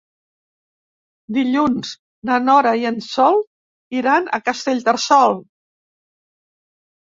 Dilluns na Nora i en Sol iran a Castellterçol.